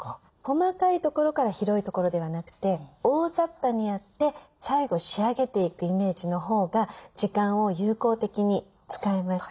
細かいところから広いところではなくて大ざっぱにやって最後仕上げていくイメージのほうが時間を有効的に使えます。